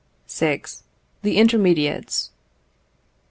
The Intermediates.